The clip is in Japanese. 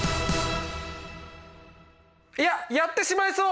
いややってしまいそう！